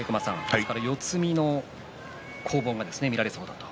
四つ身の攻防が見られそうだと。